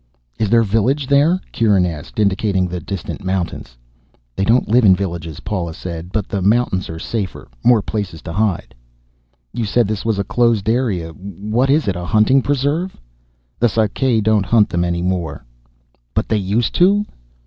"Is their village there?" Kieran asked, indicating the distant mountains. "They don't live in villages," Paula said. "But the mountains are safer. More places to hide." "You said this was a closed area. What is it, a hunting preserve?" "The Sakae don't hunt them any more." "But they used to?"